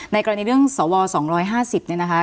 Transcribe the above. กรณีเรื่องสว๒๕๐เนี่ยนะคะ